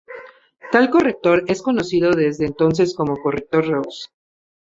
Tal corrector es conocido desde entonces como "corrector Ross".